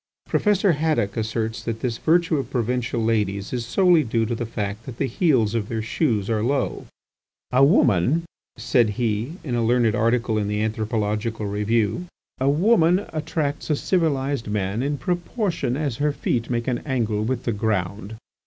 Professor Haddock asserts that this virtue of provincial ladies is solely due to the fact that the heels of their shoes are low. "A woman," said he, in a learned article in the "Anthropological Review", "a woman attracts a civilized man in proportion as her feet make an angle with the ground.